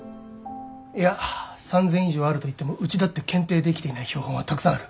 いや３，０００以上あると言ってもうちだって検定できていない標本はたくさんある。